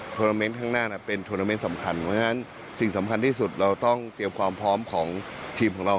ตอนอนามั้นเป็นสำคัญสิ่งสำคัญที่สุดเราต้องเตรียมความพร้อมของทีมของเรา